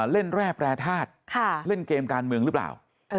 แร่แปรทาสเล่นเกมการเมืองหรือเปล่า